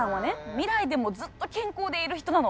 未来でもずっと健康でいる人なの。